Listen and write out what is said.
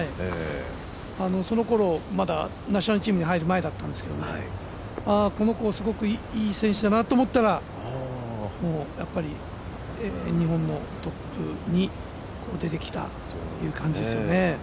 そのころまだ、ナショナルチームに入る前だったんですけどこの子、すごくいい選手だなと思ったら、やっぱり日本のトップに出てきたという感じですね。